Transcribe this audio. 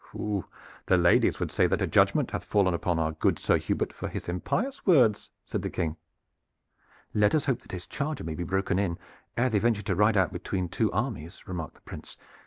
"The ladies would say that a judgment hath fallen upon our good Sir Hubert for his impious words," said the King. "Let us hope that his charger may be broken in ere they venture to ride out between two armies," remarked the Prince.